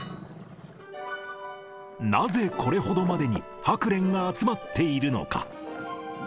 なぜこれほどまでにハクレンが集まっているのか。